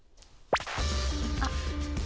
あっ。